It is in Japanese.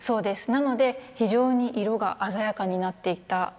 なので非常に色が鮮やかになっていったというのが。